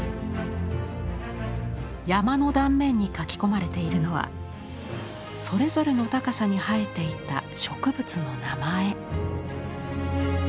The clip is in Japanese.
山の断面に書き込まれているのはそれぞれの高さに生えていた植物の名前。